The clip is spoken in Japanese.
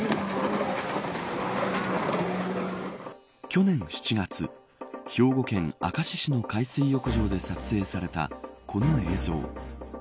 去年７月兵庫県明石市の海水浴場で撮影されたこの映像。